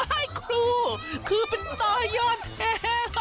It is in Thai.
ว้าวครูครูเป็นตายอดแท้